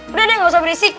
pernah deh gak usah berisik